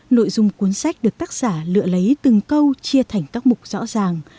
nội dung cuốn sách được tác giả lựa lấy từng câu chia thành các mục rõ ràng